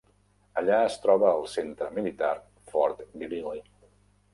Allà es troba el centre militar Fort Greely.